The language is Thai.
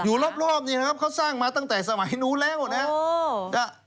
อยู่รอบนี่นะครับเขาสร้างมาตั้งแต่สมัยนู้นแล้วนะครับ